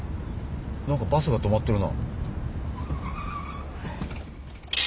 なんかバスが止まってるな。